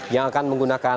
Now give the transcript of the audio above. yang akan menggunakan